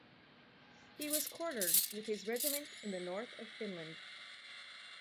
He was quartered with his regiment in the north of Finland.